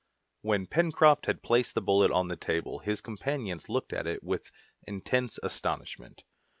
When Pencroft had placed the bullet on the table, his companions looked at it with intense astonishment.